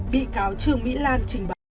bị cáo trương mỹ lan trình báo